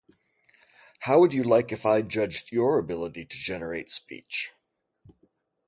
How would you like if I judged your ability to generate speech?